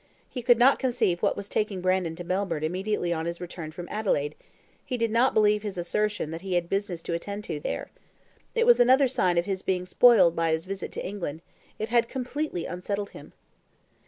He could not conceive what was taking Brandon to Melbourne immediately on his return from Adelaide; he did not believe his assertion that he had business to attend to there. It was another sign of his being spoiled by his visit to England it had completely unsettled him.